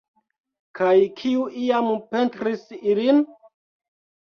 Kaj kiu iam pentris ilin?